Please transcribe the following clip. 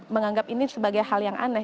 menganggap ini sebagai hal yang aneh